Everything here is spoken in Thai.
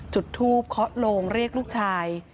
จุดทูปเคาะโลงเรียกลูกชาย